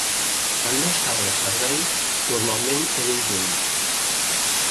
Quan no estava de servei, normalment, eren junts.